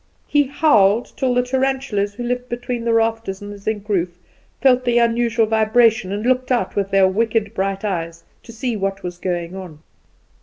He howled, till the tarantulas, who lived between the rafters and the zinc roof, felt the unusual vibration, and looked out with their wicked bright eyes, to see what was going on.